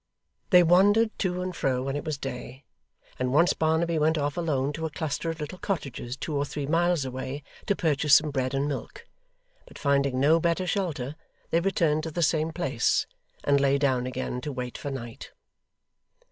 They wandered to and fro when it was day, and once Barnaby went off alone to a cluster of little cottages two or three miles away, to purchase some bread and milk. But finding no better shelter, they returned to the same place, and lay down again to wait for night.